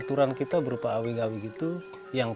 termasuk kita karena seluruh pemukiman kita waktu itu terbakar habis